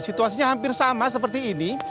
situasinya hampir sama seperti ini